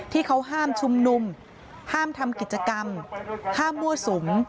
ที่เขาห้ามชุมนุมห้ามทำกิจกรรมห้ามมั่วสุม